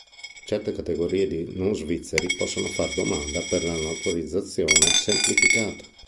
Certe categorie di non svizzeri possono far domanda per la naturalizzazione semplificata.